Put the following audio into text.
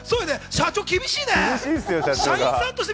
社長、厳しいよね！